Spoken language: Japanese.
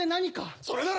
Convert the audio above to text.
それなら。